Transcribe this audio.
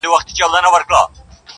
• پېریانو ته کوه قاف څشي دی؟ -